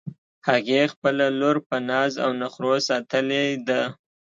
هغې خپله لور په ناز او نخروساتلی ده